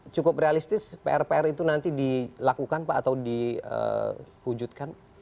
cukup realistis pr pr itu nanti dilakukan pak atau diwujudkan